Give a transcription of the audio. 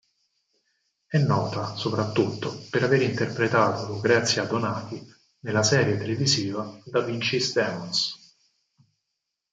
È nota soprattutto per aver interpretato Lucrezia Donati nella serie televisiva "Da Vinci's Demons".